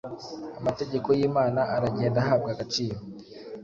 Amategeko y’Imana aragenda ahabwa agaciro.